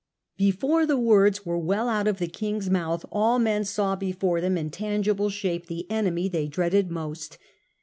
Before the words were well out of the King's mouth all men saw before them in tangible shape the enemy they dreaded most.